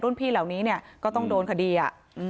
พี่เหล่านี้เนี่ยก็ต้องโดนคดีอ่ะ